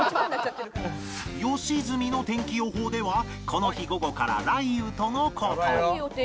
良純の天気予報ではこの日午後から雷雨との事